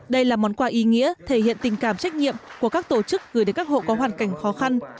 đây là món quà ý nghĩa thể hiện tình cảm trách nhiệm của các tổ chức gửi đến các hộ có hoàn cảnh khó khăn